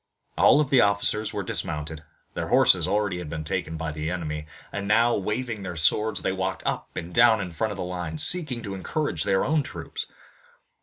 All the officers were dismounted their horses already had been taken by the enemy and now, waving their swords, they walked up and down in front of the lines, seeking to encourage their own troops.